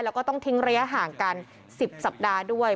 แล้วก็ต้องทิ้งระยะห่างกัน๑๐สัปดาห์ด้วย